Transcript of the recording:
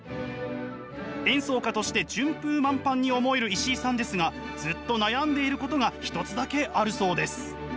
演奏家として順風満帆に思える石井さんですがずっと悩んでいることが一つだけあるそうです。